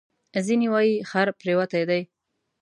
ځینې وایي خر پرېوتی دی.